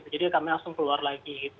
jadi kami langsung keluar lagi